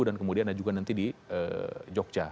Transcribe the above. dan kemudian ada juga nanti di jogja